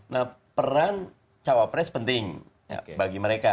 nah peran cawapres penting bagi mereka